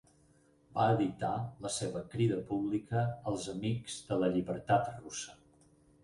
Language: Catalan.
Va editar la seva crida pública als amics de la llibertat russa.